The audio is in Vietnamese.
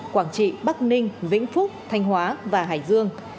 quảng trị bắc ninh vĩnh phúc thanh hóa và hải dương